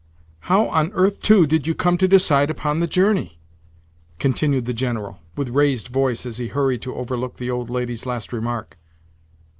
"How on earth, too, did you come to decide upon the journey?" continued the General, with raised voice as he hurried to overlook the old lady's last remark.